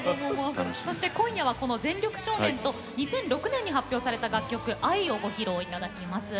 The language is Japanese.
そして今夜はこの「全力少年」と２００６年に発表された楽曲「藍」をご披露頂きます。